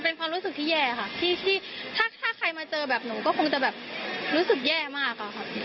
เป็นความรู้สึกที่แย่ค่ะที่ถ้าใครมาเจอแบบหนูก็คงจะแบบรู้สึกแย่มากอะค่ะ